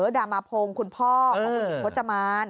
คุณพ่อคุณหญิงพจมาน